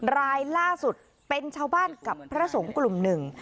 รายล่าสุดเป็นชาวบ้านกับพระสงฆ์กลุ่มหนึ่ง